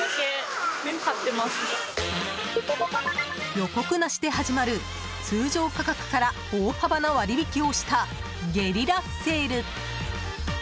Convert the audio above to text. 予告なしで始まる通常価格から大幅な割引をしたゲリラセール。